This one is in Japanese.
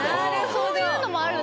そういうのもあるんですかね。